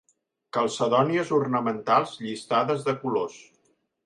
Calcedònies ornamentals llistades de colors.